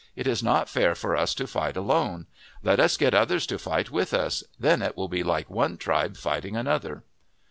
It is not fair for us to fight alone. Let us get others to fight with us. Then it will be like one tribe fighting another."